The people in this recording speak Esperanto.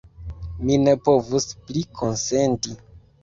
Mi ne povus pli konsenti!